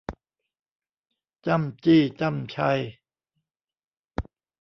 จ้ำจี้จ้ำไช